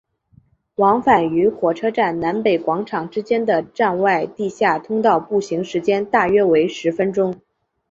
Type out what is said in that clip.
往返于火车站南北广场之间的站外地下通道步行时间大约为十分钟。